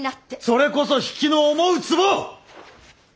それこそ比企の思うつぼ！